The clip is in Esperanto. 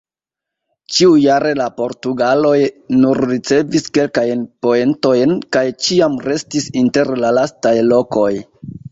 Ĉiujare la portugaloj nur ricevis kelkajn poentojn kaj ĉiam restis inter la lastaj lokoj.